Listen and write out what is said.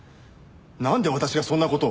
なんで私がそんな事を？